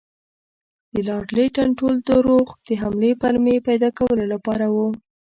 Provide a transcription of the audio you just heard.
د لارډ لیټن ټول دروغ د حملې پلمې پیدا کولو لپاره وو.